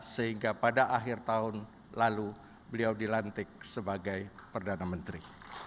sehingga pada akhir tahun lalu beliau dilantik sebagai perdana menteri